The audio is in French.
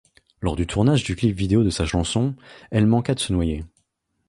Lors du tournage du clip vidéo de sa chanson, elle manqua de se noyer.